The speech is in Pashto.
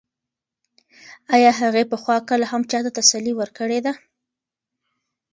ایا هغې پخوا کله هم چا ته تسلي ورکړې ده؟